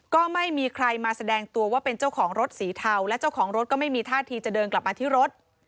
ก็ไม่มีใครมาแสดงตัวว่าเป็นเจ้าของรถสีเทาและเจ้าของรถก็ไม่มีท่าทีจะเดินกลับมาที่รถ